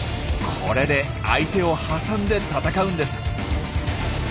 これで相手を挟んで戦うんです。